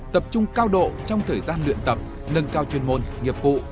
tập trung cao độ trong thời gian luyện tập nâng cao chuyên môn nghiệp vụ